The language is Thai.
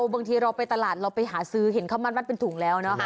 บางทีเราไปตลาดเราไปหาซื้อเห็นข้าวมันมัดเป็นถุงแล้วนะคะ